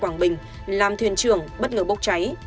tàu đánh cá băng bình làm thuyền trường bất ngờ bốc cháy